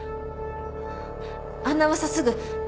あんな噂すぐ。